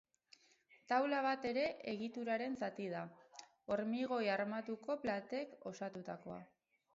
Taula bat ere egituraren zati da, hormigoi armatuko plakek osatutakoa.